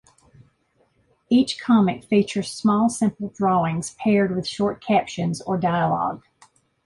Each comic features small, simple drawings, paired with short captions or dialogue.